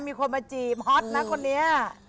มีคนมาจีบฮอตนะคนนี้